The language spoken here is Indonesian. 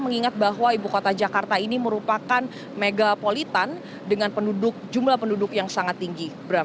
mengingat bahwa ibu kota jakarta ini merupakan megapolitan dengan jumlah penduduk yang sangat tinggi